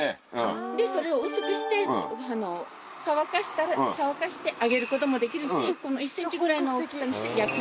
でそれを薄くして乾かして揚げることもできるし１ｃｍぐらいの大きさにして焼く。